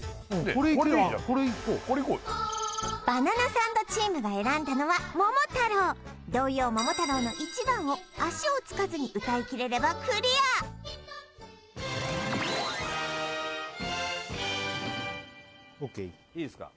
これいこうバナナサンドチームが選んだのは「桃太郎」童謡「桃太郎」の１番を足をつかずに歌いきれればクリアＯＫいいですか？